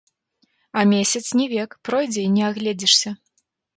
А месяц не век, пройдзе, і не агледзішся.